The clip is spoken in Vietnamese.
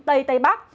tây tây bắc